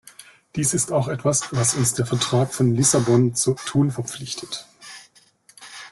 Dies ist auch etwas, was uns der Vertrag von Lissabon zu tun verpflichtet.